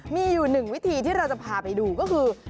มีอยู่หนึ่งวิธีที่เราจะพาไปดูก็คือ